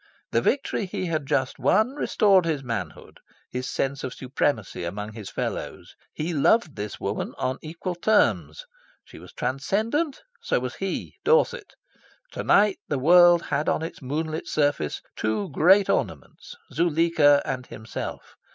The victory he had just won restored his manhood, his sense of supremacy among his fellows. He loved this woman on equal terms. She was transcendent? So was he, Dorset. To night the world had on its moonlit surface two great ornaments Zuleika and himself.